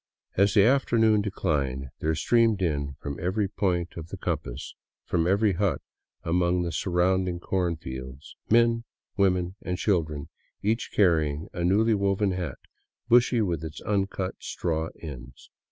As the afternoon declined, there streamed in from every point of the compass, from every hut among the surrounding corn fields, men, women, and children, each carrying a newly woven hat, bushy with its uncut " straw '* ends.